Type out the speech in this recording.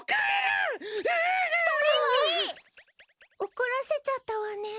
怒らせちゃったわね。